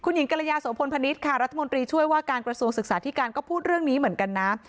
หญิงกรยาโสพลพนิษฐ์ค่ะรัฐมนตรีช่วยว่าการกระทรวงศึกษาธิการก็พูดเรื่องนี้เหมือนกันนะ